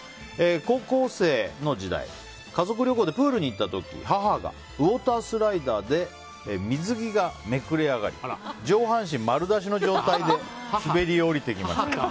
高校生の時代、家族旅行でプールに行った時、母がウォータースライダーで水着がめくれ上がり上半身丸出しの状態で滑り降りてきました。